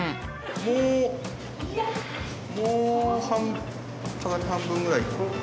もうもう畳半分ぐらい。